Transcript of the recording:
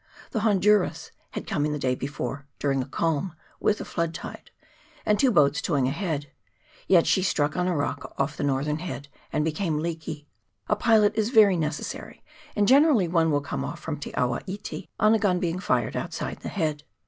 The Honduras had come in the day before, during a calm, with the flood tide, and two boats towing ahead, yet she struck on a rock off the northern head and became leaky. A pilot is very necessary, and generally one will come off from Te awa iti on a gun being fired outside the head.